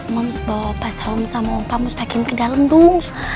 moms bawa pas homsa sama ompa mustaqim ke dalam dong su